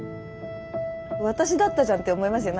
私だったじゃんって思いますよ